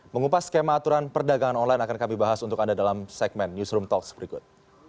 mengupas skema aturan perdagangan online akan kami bahas untuk anda dalam segmen newsroom talks berikut